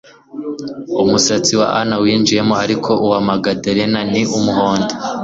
Umusatsi wa Anna wijimye ariko uwa Magdalena ni umuhondo